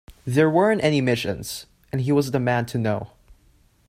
There weren't any missions, and he was the man to know.